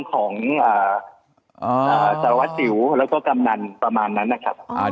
โต๊ะที่นั่งของจารวัดเสี่ยวแล้วก็กำนันประมาณนั้นนะครับ